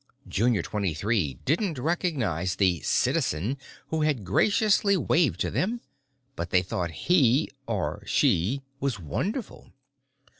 Junior Twenty Three didn't recognize the Citizen who had graciously waved to them, but they thought he—or she?—was wonderful.